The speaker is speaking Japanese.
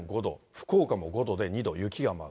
福岡も５度で２度、雪が舞う。